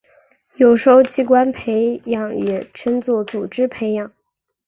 有时候器官培养也称作组织培养。